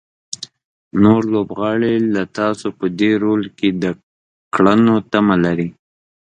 نور لوبغاړي له تاسو په دې رول کې د کړنو تمه لري.